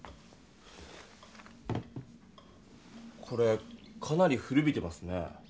これかなり古びてますね。